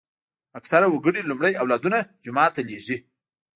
اکثره وګړي لومړی اولادونه جومات ته لېږي.